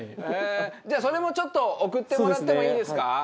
じゃあ、それも、ちょっと送ってもらってもいいですか？